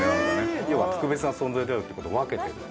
要は特別な存在であるってことを分けてる。